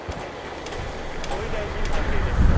総理大臣官邸です。